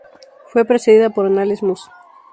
Fue precedida por "Anales Mus.